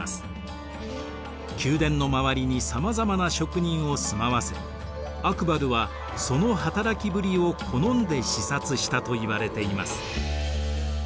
宮殿の周りにさまざまな職人を住まわせアクバルはその働きぶりを好んで視察したといわれています。